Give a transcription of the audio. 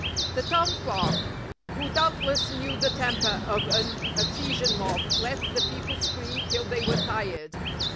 The town clerk, who doubtless knew the temper of an Ephesian mob, let the people scream till they were tired.